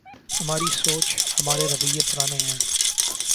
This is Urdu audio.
ہماری سوچ ‘ ہمارے رویے پرانے ہیں۔